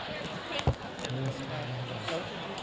ขอบคุณทุกคนนะคะขอบคุณมากนะคะ